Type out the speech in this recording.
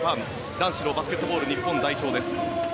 男子のバスケットボール日本代表です。